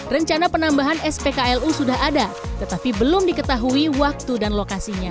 rencana penambahan spklu sudah ada tetapi belum diketahui waktu dan lokasinya